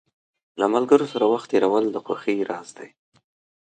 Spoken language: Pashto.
له ملګرو سره وخت تېرول د خوښۍ راز دی.